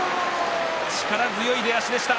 力強い出足でした。